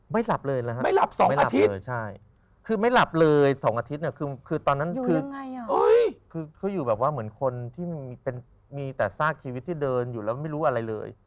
หลับเลยเหรอฮะไม่หลับ๒อาทิตย์คือไม่หลับเลย๒อาทิตย์คือตอนนั้นคือเขาอยู่แบบว่าเหมือนคนที่มีแต่ซากชีวิตที่เดินอยู่แล้วไม่รู้อะไรเลย